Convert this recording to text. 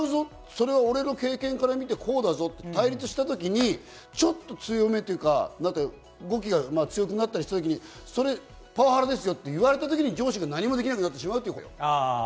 それは俺の経験から見てこうだぞ、対立したときに強めというか、語気が強くなったりしたときにパワハラですよと言われた時に何もできなくなってしまうということよ。